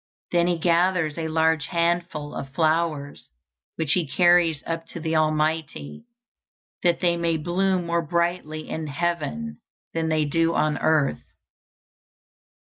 Then he gathers a large handful of flowers, which he carries up to the Almighty, that they may bloom more brightly in heaven than they do on earth.